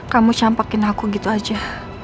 kamu campakin aku gitu aja